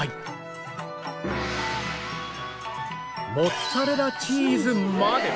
モッツァレラチーズまで